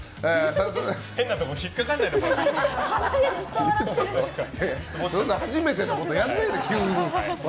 変なところに引っかからないでもらって初めてのことやらないで、急に。